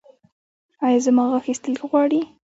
ایا زما غاښ ایستل غواړي؟